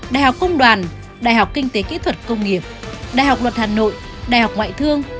đại học công đoàn đại học kinh tế kỹ thuật công nghiệp đại học luật hà nội đại học ngoại thương